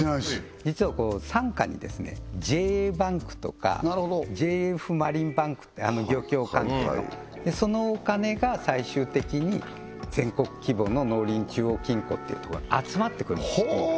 実は傘下にＪＡバンクとかＪＦマリンバンクって漁協関係のそのお金が最終的に全国規模の農林中央金庫っていうところに集まってくるんです